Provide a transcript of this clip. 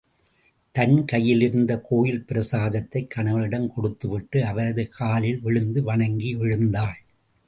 தன் கையிலிருந்த கோயில் பிரசாதத்தைக் கணவனிடம் கொடுத்து விட்டு, அவரது காலில் விழுந்து வணங்கி எழுந்தாள்.